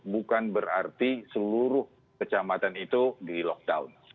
bukan berarti seluruh kecamatan itu di lockdown